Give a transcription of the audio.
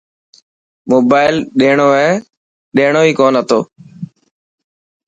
موبائل ڏيڻو هي ڪون هتن.